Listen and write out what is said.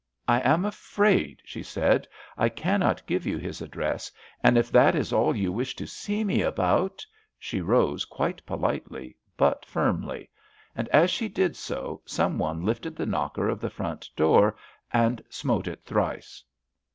"I am afraid," she said, "I cannot give you his address, and if that is all you wish to see me about——" She rose quite politely, but firmly. And as she did so some one lifted the knocker of the front door and smote it thrice.